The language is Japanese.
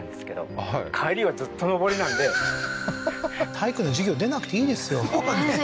体育の授業出なくていいですよねえ